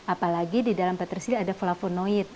apalagi di dalam peterseli ada falafel